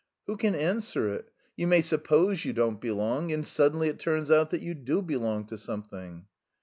who can answer it? You may suppose you don't belong, and suddenly it turns out that you do belong to something."